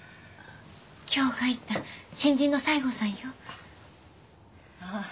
今日入った新人の西郷さんよああ